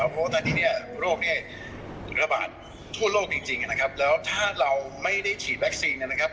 เพราะว่าตอนนี้เนี่ยโรคเนี่ยระบาดทั่วโลกจริงนะครับแล้วถ้าเราไม่ได้ฉีดวัคซีนนะครับ